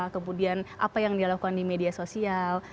kemudian apa yang dilakukan di media sosial